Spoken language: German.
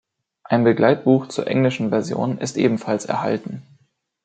Ein Begleitbuch zur englischen Version ist ebenfalls erhalten.